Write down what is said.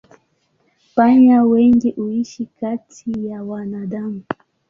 Panya wengi huishi kati ya wanadamu.